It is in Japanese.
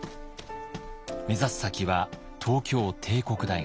目指す先は東京帝国大学。